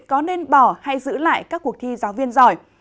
có nên bỏ hay giữ lại các cuộc thi giáo viên giỏi